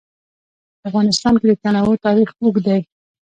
په افغانستان کې د تنوع تاریخ اوږد دی.